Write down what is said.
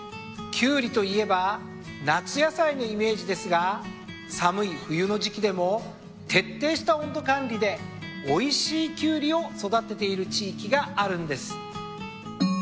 キュウリといえば夏野菜のイメージですが寒い冬の時季でも徹底した温度管理でおいしいキュウリを育てている地域があるんです。